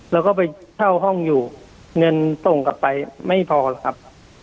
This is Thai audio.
แล้วก็ไปเช่าห้องอยู่เงินส่งกลับไปไม่พอหรอกครับ